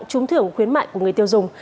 hoặc trúng thưởng khuyến mại của người tiêu dùng